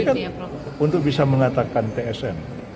jadi kan untuk bisa mengatakan tsm